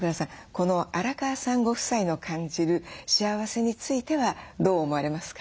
この荒川さんご夫妻の感じる幸せについてはどう思われますか？